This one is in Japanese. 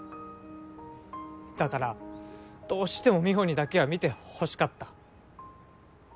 だからどうしても美帆にだけは見てほしかった。